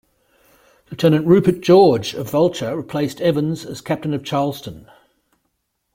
Lieutenant Rupert George of "Vulture" replaced Evans as captain of "Charlestown".